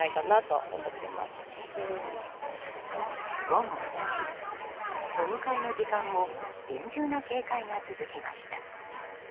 午後２時、お迎えの時間も厳重な警戒が続きました。